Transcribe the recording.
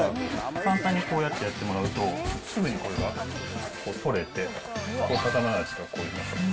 簡単にこうやってやってもらうと、すぐにこれが取れて、こういうふうな感じで。